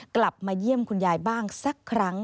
กลับมาเยี่ยมคุณยายบ้างสักครั้ง